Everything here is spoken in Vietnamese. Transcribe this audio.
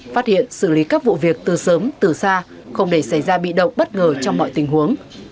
phát hiện xử lý các vụ việc từ sớm từ xa không để xảy ra bị động bất ngờ trong mọi tình huống